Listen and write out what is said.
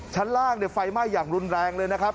ชั้นล่างไฟไหม้อย่างรุนแรงเลยนะครับ